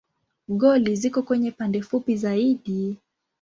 Goli ziko kwenye pande fupi zaidi.